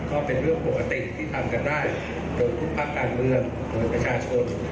ก็เป็นเรื่องปกติที่ทำกันได้โดยทุกภาคการเมืองโดยประชาชน